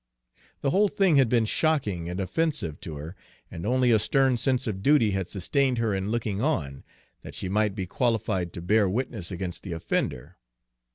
The whole thing had been shocking and offensive to her, and only a stern sense of duty had sustained her in looking on, that she might be qualified to bear witness against the offender.